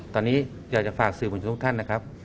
ตอนนี้อยากจะฝากสื่อมวลชนทุกท่านนะครับ